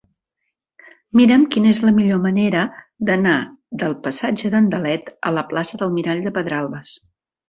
Mira'm quina és la millor manera d'anar del passatge d'Andalet a la plaça del Mirall de Pedralbes.